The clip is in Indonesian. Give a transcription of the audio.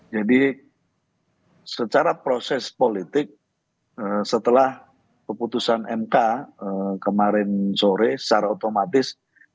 jadi secara proses politik setelah keputusan mk kemarin sore secara otomatis